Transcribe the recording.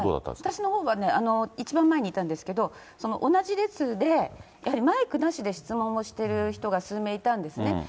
私のほうはね、一番前にいたんですけど、同じ列でやはりマイクなしで質問をしている人が数名いたんですね。